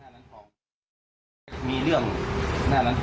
นักการพี่ของเราก็ได้ทุกตัว